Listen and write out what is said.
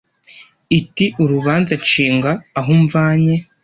Iti : urubanza nshinga aho umvanye